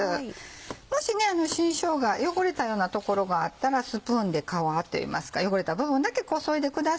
もし新しょうが汚れたような所があったらスプーンで汚れた部分だけこそいでください。